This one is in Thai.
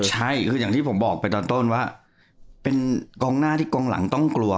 ใช่คืออย่างที่ผมบอกไปตอนต้นว่าเป็นกองหน้าที่กองหลังต้องกลัว